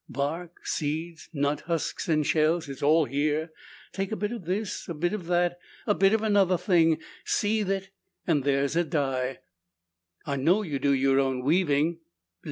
"Bark, seeds, nut husks and shells, it's all here. Take a bit of this, a bit of that, a bit of another thing, seethe it, and there's a dye." "I know you do your own weaving."